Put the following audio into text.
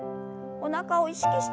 おなかを意識して。